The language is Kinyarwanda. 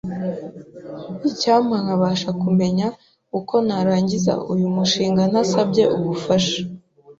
Icyampa nkabasha kumenya uko narangiza uyu mushinga ntasabye ubufasha.